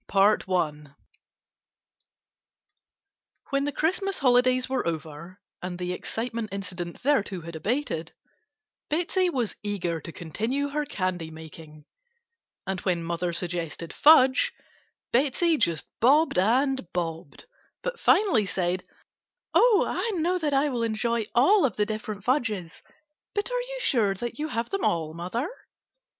CHAPTER III FUDGE WHEN the Christmas holidays were over and the excitement incident thereto had abated, Betsey was eager to continue her candy making, and when mother suggested fudge Betsey just bobbed and bobbed, but finally said: "Oh, I know that I will enjoy all of the different fudges, but are you sure that you have them all, mother?"